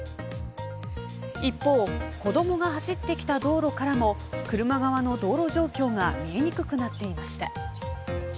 一方、子どもが走ってきた道路からも車側の道路状況が見えにくくなっていました。